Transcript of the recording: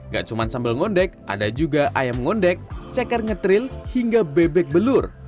gak cuma sambal ngondek ada juga ayam ngondek ceker ngetril hingga bebek belur